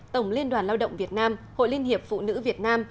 tổng liên đoàn lao động việt nam hội liên hiệp phụ nữ việt nam